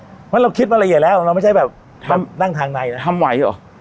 เพราะเราคิดมาละเอียดแล้วเราไม่ใช่แบบนั่งทางในนะทำไหวเหรอ